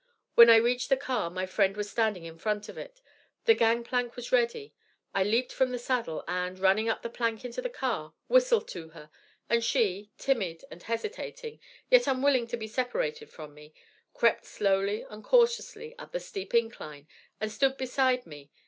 When I reached the car my friend was standing in front of it, the gang plank was ready, I leaped from the saddle, and, running up the plank into the car, whistled to her; and she, timid and hesitating, yet unwilling to be separated from me, crept slowly and cautiously up the steep incline and stood beside me.